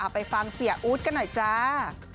ไปฟังเสียอู๊ดกันหน่อยจ้า